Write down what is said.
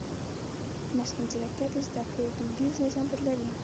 مصنوعي ځیرکتیا د زده کړې دودیز نظام بدلوي.